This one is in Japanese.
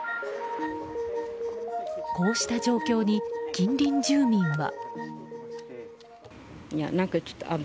こうした状況に近隣住民は。